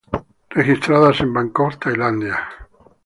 Registradas en Bangkok, Tailandia.